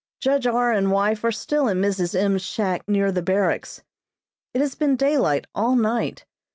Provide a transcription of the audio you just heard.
Judge R. and wife are still in Mrs. M.'s shack near the barracks. It has been daylight all night.